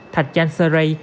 thạch chan seray